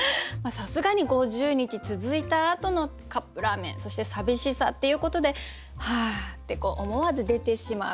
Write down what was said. さすがに五十日続いたあとのカップラーメンそして寂しさっていうことで「はあ」ってこう思わず出てしまう。